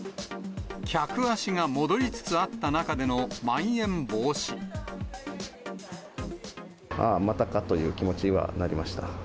客足が戻りつつあった中でのああ、またかという気持ちにはなりました。